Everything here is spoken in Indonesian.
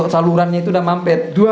salurannya itu udah mampet